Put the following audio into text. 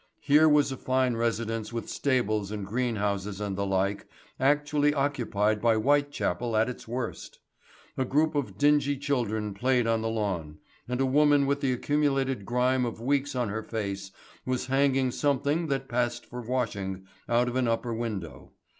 Here was a fine residence with stables and greenhouses and the like, actually occupied by Whitechapel at its worst. A group of dingy children played on the lawn, and a woman with the accumulated grime of weeks on her face was hanging something that passed for washing out of an upper window.